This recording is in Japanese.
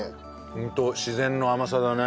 ホント自然の甘さだね。